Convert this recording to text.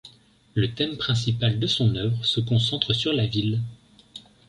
Le thème principal de son œuvre se concentre sur la ville.